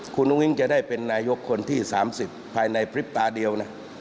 คุณอุ้งจะได้เป็นนายกคนที่๓๐ภายในพริบตาเดียวนะ